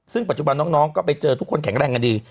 ซึ่งปัจจุบันน้องก็ไปเจอทุกคนแข็งแรงกันดี